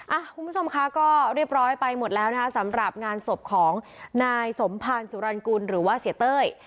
คุณผู้ชมค่ะก็เรียบร้อยไปหมดแล้วนะคะสำหรับงานศพของนายสมภารสุรรณกุลหรือว่าเสียเต้ย